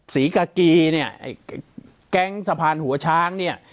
ศรีกากีเนี่ยไอ้แก๊งสะพานหัวช้างเนี่ย